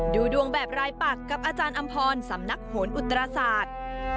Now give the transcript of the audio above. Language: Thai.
ดูดวงแบบรายปักกับอาจารย์อำพรสำนักโหนอุตราศาสตร์